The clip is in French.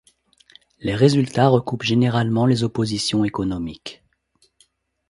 Les résultats recoupent généralement les oppositions économiques.